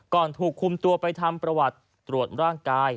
ถูกคุมตัวไปทำประวัติตรวจร่างกาย